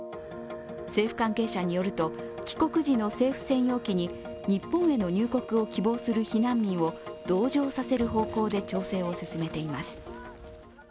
政府関係者によると、帰国時の政府専用機に日本への入国を希望する避難民を同乗させる方向で調整を進めています。